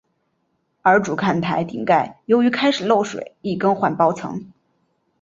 而主看台顶盖由于开始漏水亦更换包层。